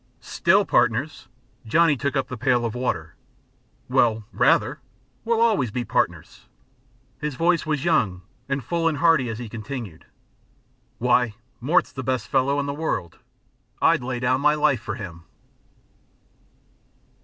"Still partners?" Johnny took up the pail of water. "Well, rather! We'll always be partners." His voice was young and full and hearty as he continued: "Why, Mort's the best fellow in the world. I'd lay down my life for him."